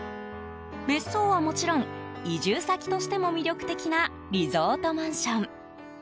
別荘はもちろん移住先としても魅力的なリゾートマンション。